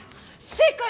正解！